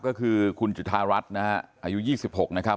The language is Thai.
ก็คือคุณจุธารัฐนะฮะอายุ๒๖นะครับ